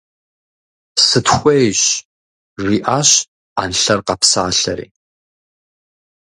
– Сытхуейщ! – жиӀащ Ӏэнлъэр къэпсалъэри.